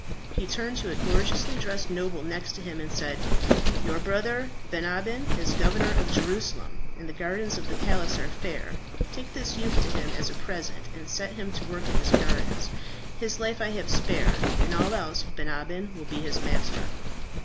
He turned to a gorgeously dressed noble next to him, and said, "Your brother, Ben Abin, is Governor of Jerusalem, and the gardens of the palace are fair. Take this youth to him as a present, and set him to work in his gardens. His life I have spared, in all else Ben Abin will be his master."